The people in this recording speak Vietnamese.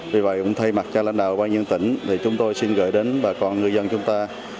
vì vậy thay mặt cho lãnh đạo ủy ban nhân tỉnh chúng tôi xin gửi đến bà con ngư dân chúng ta